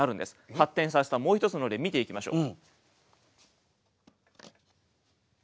発展させたもう一つの例見ていきましょう。